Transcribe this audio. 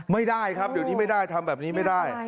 ไม่ได้ครับเดี๋ยวนี้ไม่ได้ทำแบบนี้ไม่ได้